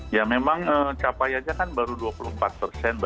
ya memang capaiannya kan baru dua puluh empat persen